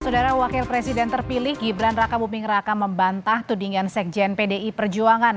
saudara wakil presiden terpilih gibran raka buming raka membantah tudingan sekjen pdi perjuangan